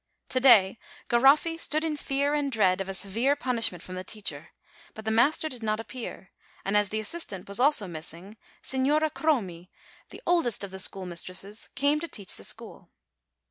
To day Garoffi stood in fear and dread of a severe punishment from the teacher; but the master did not ap pear; and as the assistant was also missing, Signora Cromi, the oldest of the schoolmistresses, came to teach the school.